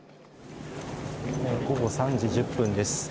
午後３時１０分です。